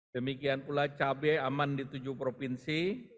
demikian pula cabai aman di tujuh provinsi